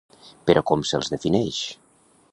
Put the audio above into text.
Però com se'ls defineix?